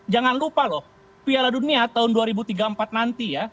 jangan lupa loh piala dunia tahun dua ribu tiga puluh empat nanti ya